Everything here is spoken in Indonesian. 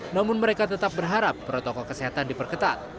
namun mereka tetap berharap protokol kesehatan diperketat